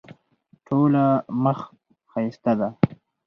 ټوله مخ ښایسته ده.